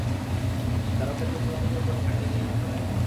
দানবদের জমিজমা বিষয়ক কোনো আইন নেই আসলে?